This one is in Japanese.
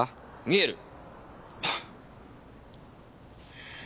見える！